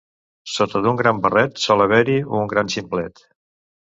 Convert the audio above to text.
Sota d'un gran barret sol haver-hi un gran ximplet.